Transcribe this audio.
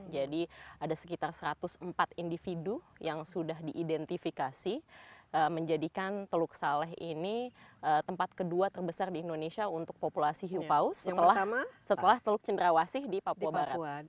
jadi ada sekitar satu ratus empat individu yang sudah diidentifikasi menjadikan teluk saleh ini tempat kedua terbesar di indonesia untuk populasi hiu paus setelah teluk cendrawasih di papua barat